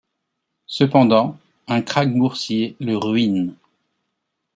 Cependant, un krach boursier le ruine.